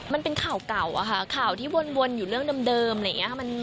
มันเป็นข่าวเก่าอะค่ะข่าวที่วนอยู่เรื่องเดิมอะไรอย่างนี้ค่ะ